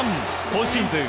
今シーズン